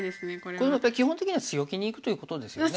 これもやっぱ基本的には強気にいくということですよね。